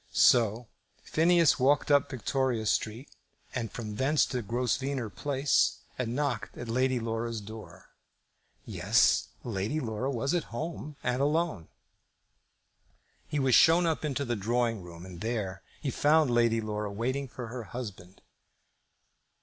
So Phineas walked up Victoria Street, and from thence into Grosvenor Place, and knocked at Lady Laura's door. "Yes; Lady Laura was at home; and alone." He was shown up into the drawing room, and there he found Lady Laura waiting for her husband.